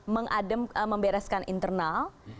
mengadem membereskan internal